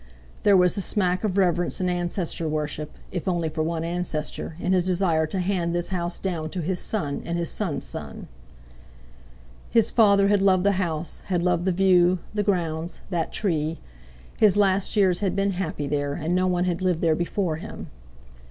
There was the smack of reverence and ancestor worship (if only for one ancestor) in his desire to hand this house down to his son and his son's son. His father had loved the house, had loved the view, the grounds, that tree; his last years had been happy there, and no one had lived there before him.